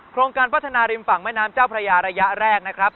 โครงการพัฒนาริมฝั่งแม่น้ำเจ้าพระยาระยะแรกนะครับ